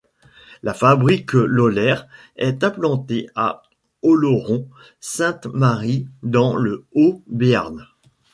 La fabrique Laulhère est implantée à Oloron-Sainte-Marie dans le Haut Béarn.